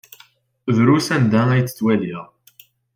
Drus anda ay t-ttwaliɣ.